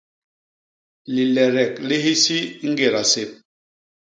Liledek li hisi i ñgéda sép.